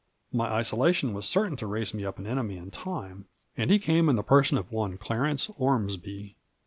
My isolation was certain to raise me up an enemy in time, and he came in the person of one Clarence Ormsby.